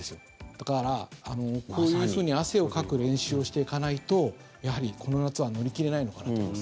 だから、こういうふうに汗をかく練習をしていかないとやはり、この夏は乗り切れないのかなと思います。